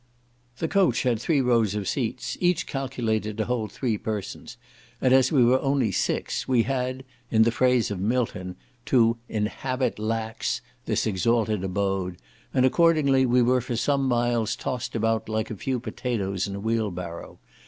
The coach had three rows of seats, each calculated to hold three persons, and as we were only six, we had, in the phrase of Milton, to "inhabit lax" this exalted abode, and, accordingly, we were for some miles tossed about like a few potatoes in a wheelbarrow.